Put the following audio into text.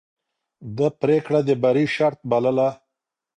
ده پرېکړه د بری شرط بلله.